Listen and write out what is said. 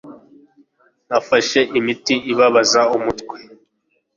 Nafashe imiti ibabaza umutwe.